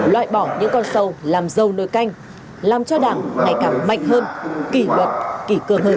loại bỏ những con sâu làm dâu nồi canh làm cho đảng ngày càng mạnh hơn kỷ luật kỷ cương hơn